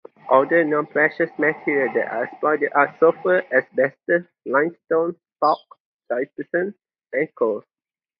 Other non-precious minerals that are exploited are sulfur, asbestos, limestone, talc, gypsum and coal.